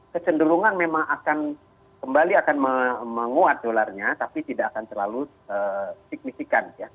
kecenderungan memang akan kembali akan menguat dolarnya tapi tidak akan terlalu signifikan ya